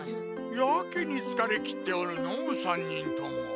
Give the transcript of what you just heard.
やけにつかれ切っておるのう３人とも。